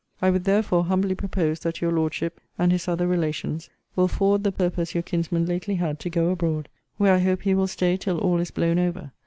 I would, therefore, humbly propose that your Lordship, and his other relations, will forward the purpose your kinsman lately had to go abroad; where I hope he will stay till all is blown over.